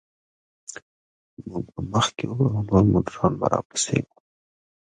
موږ به مخکې وو او نور موټران به راپسې و.